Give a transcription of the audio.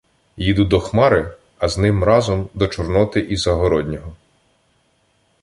їду до Хмари, а з ним разом — до Чорноти і Загороднього.